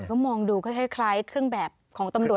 ก็มองดูคล้ายเครื่องแบบของตำรวจ